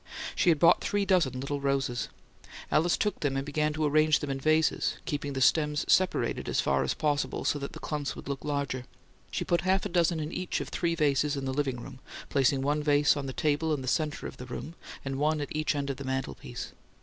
She had bought three dozen little roses. Alice took them and began to arrange them in vases, keeping the stems separated as far as possible so that the clumps would look larger. She put half a dozen in each of three vases in the "living room," placing one vase on the table in the center of the room, and one at each end of the mantelpiece.